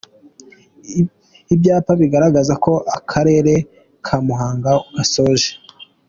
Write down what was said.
Ibyapa bigaragaza ko akarere ka Muhanga ugasoje .